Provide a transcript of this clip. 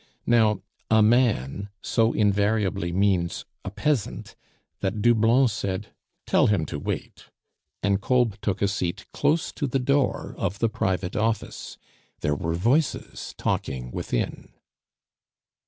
Now, "a man" so invariably means "a peasant," that Doublon said, "Tell him to wait," and Kolb took a seat close to the door of the private office. There were voices talking within.